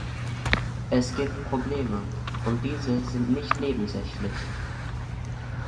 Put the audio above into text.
Es gibt Probleme, und diese sind nicht nebensächlich.